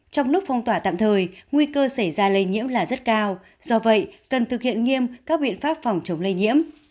trong lúc phong tỏa tạm thời nguy cơ xảy ra lây nhiễm là rất cao do vậy cần thực hiện nghiêm các biện pháp phòng chống lây nhiễm